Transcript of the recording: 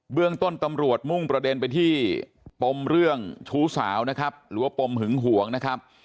เรื่องต้นตำรวจมุ่งประเด็นไปที่ปมเรื่องชู้สาวนะครับหรือว่าปมหึงหวงนะครับ